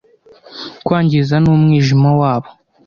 kwangiza n'umwijima wabo